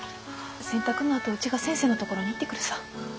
洗濯のあとうちが先生の所に行ってくるさぁ。